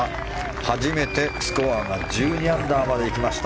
初めてスコアが１２アンダーまでいきました。